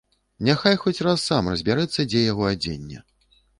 Няхай хоць раз сам разбярэцца, дзе яго адзенне.